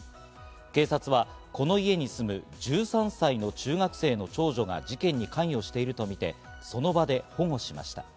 警察はこの家に住む、１３歳の中学生の長女が事件に関与しているとみて、その場で保護しました。